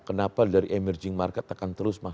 kenapa dari emerging market akan terus